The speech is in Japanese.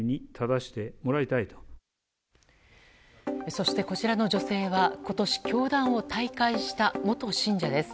そして、こちらの女性は今年、教団を退会した元信者です。